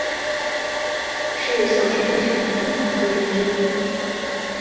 是小泉政权重要的阁员之一。